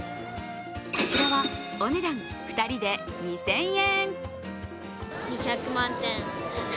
こちらはお値段、２人で２０００円。